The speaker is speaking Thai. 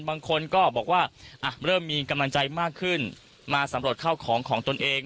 บางคนก็บอกว่าเริ่มมีกำลังใจมากขึ้นมาสำรวจเข้าของของตนเอง